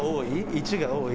１が多い？